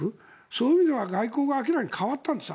そういう意味では、外交が明らかに変わったんです。